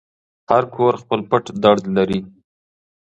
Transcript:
هر کور خپل پټ درد لري.